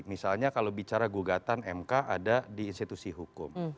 misalnya kalau bicara gugatan mk ada di institusi hukum